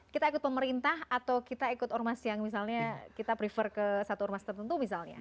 kita ikut pemerintah atau kita ikut ormas yang misalnya kita prefer ke satu ormas tertentu misalnya